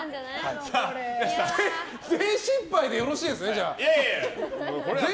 全失敗でよろしいですね。